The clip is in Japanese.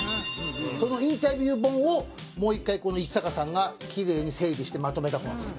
そのインタビュー本をもう１回この一坂さんがキレイに整理してまとめた本です。